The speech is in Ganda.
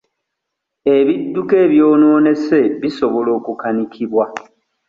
Ebidduka ebyonoonese bisobola okukanikibwa.